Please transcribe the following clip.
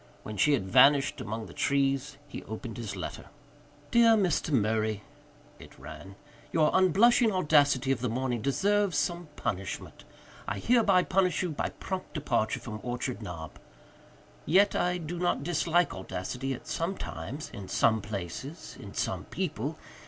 When she had vanished among the trees he opened his letter. "Dear Mr. Murray," it ran, "your unblushing audacity of the morning deserves some punishment. I hereby punish you by prompt departure from Orchard Knob. Yet I do not dislike audacity, at some times, in some places, in some people.